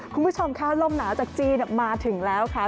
คุณผู้ชมค่ะลมหนาวจากจีนมาถึงแล้วค่ะ